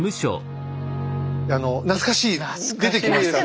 懐かしい出てきましたね。